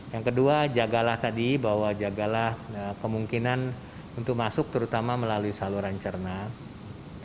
yang kedua jagalah tadi bahwa jagalah kemungkinan untuk masuk terutama melalui saluran cernaan